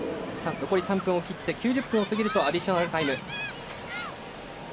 残り３分を切って９０分を過ぎるとアディショナルタイム。